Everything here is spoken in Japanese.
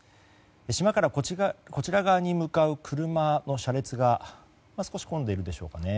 島からこちら側に向かう車の車列が少し混んでいるでしょうかね。